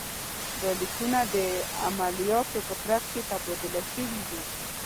دا لیکونه د عملیاتو په ترڅ کې تبادله شوي وو.